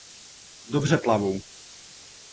Dobře plavou.